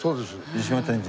湯島天神。